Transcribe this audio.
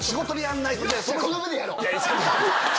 この部でやろう！